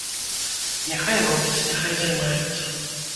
Няхай робяць, няхай займаюцца.